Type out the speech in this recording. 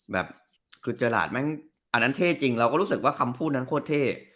แบบคือเจอหลาดอันนั้นเท่จริงเรารู้สึกว่าคำพูดนั้นคมักโทษเท่